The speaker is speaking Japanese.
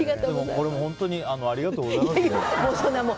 これ、本当にありがとうございます。